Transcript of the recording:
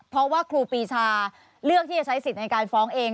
เพราะว่าครูปีชาเลือกที่จะใช้สิทธิ์ในการฟ้องเอง